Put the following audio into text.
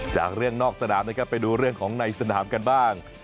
จากเรื่องนอกสนามนะครับไปดูเรื่องของในสนามกันบ้าง